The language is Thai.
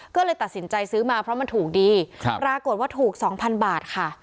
ก็เลยตัดสินใจซื้อมาเพราะมันถูกดีปรากฏว่าถูก๒๐๐บาทค่ะ